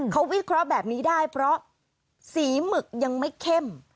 เขาวิเคราะห์แบบนี้ได้เพราะสีหมึกยังไม่เข้ม